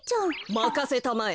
まかせたまえ。